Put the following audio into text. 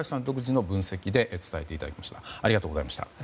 独自の分析で伝えていただきました。